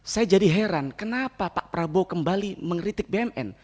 saya jadi heran kenapa pak prabowo kembali mengkritik bumn